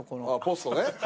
ポストね。